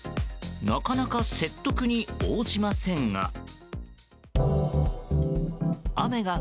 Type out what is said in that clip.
なかなか説得に応じませんが。